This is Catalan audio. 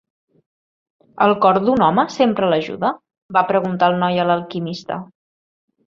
"El cor d'un home sempre l'ajuda?", va preguntar el noi a l'alquimista.